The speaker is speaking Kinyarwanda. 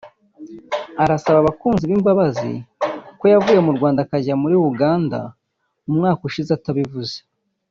arasaba abakunzi be imbabazi ko yavuye mu Rwanda akajya kuba muri Uganda mu mwaka ushize atabivuze